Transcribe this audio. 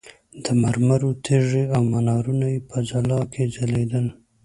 مرمرو تیږې او منارونه یې په ځلا کې ځلېدل.